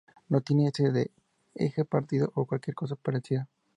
No tiene esa de eje partido o cualquier cosa parecida".